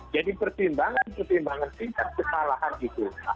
jadi pertimbangan pertimbangan tingkat kesalahan itu